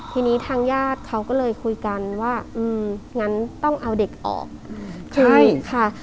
ทีนี้ทางญาติเขาก็เลยคุยกันว่าอืมงั้นต้องเอาเด็กออกใช่ค่ะ